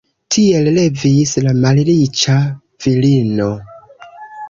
Tiel revis la malriĉa virino.